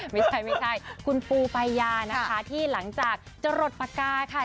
ไม่ใช่คุณปรูปายาที่หลังจากจรดปากกาค่ะ